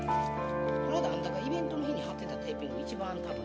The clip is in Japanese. この間あんたがイベントの日に貼ってたテーピングが一番多分。